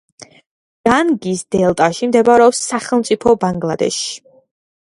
განგის დელტაში მდებარეობს სახელმწიფო ბანგლადეში.